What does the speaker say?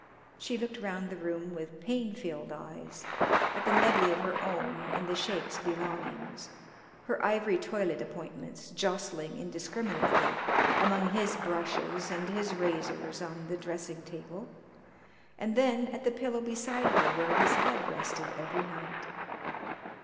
She looked round the room with pain filled eyes, at the medley of her own and the Sheik's belongings, her ivory toilet appointments jostling indiscriminately among his brushes and his razors on the dressing table, and then at the pillow beside her where his head rested every night.